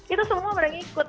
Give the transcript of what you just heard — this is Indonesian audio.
itu semua pada ngikut